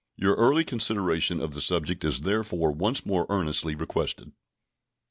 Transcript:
Your early consideration of the subject is therefore once more earnestly requested.